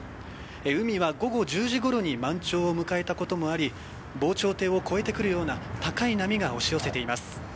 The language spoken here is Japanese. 海は午後１０時ごろに満潮を迎えたこともあり防潮堤を越えてくるような高い波が押し寄せています。